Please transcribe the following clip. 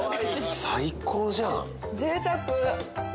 最高じゃん！